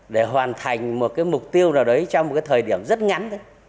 để hoàn thành một mục tiêu nào đấy trong một thời điểm rất ngắn